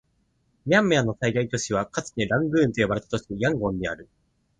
ミャンマーの最大都市はかつてラングーンと呼ばれた都市、ヤンゴンである